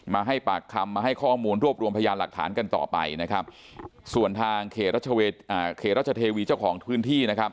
มาให้ปากคำมาให้ข้อมูลรวบรวมพยานหลักฐานกันต่อไปนะครับส่วนทางเขตรัชเทวีเจ้าของพื้นที่นะครับ